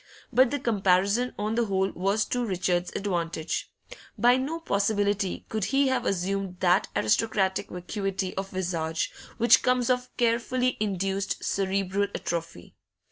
But the comparison, on the whole, was to Richard's advantage. By no possibility could he have assumed that aristocratic vacuity of visage which comes of carefully induced cerebral atrophy.